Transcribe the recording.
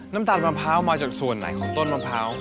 น้ำตาลมะพร้าวมาจากส่วนไหนของต้นมะพร้าว